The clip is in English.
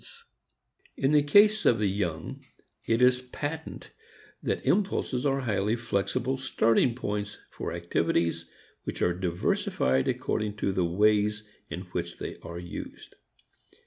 II In the case of the young it is patent that impulses are highly flexible starting points for activities which are diversified according to the ways in which they are used.